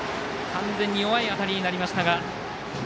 完全に弱い当たりになりましたが。